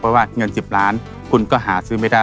เพราะว่าเงิน๑๐ล้านคุณก็หาซื้อไม่ได้